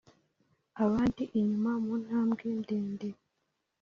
abandi inyuma muntambwe ndende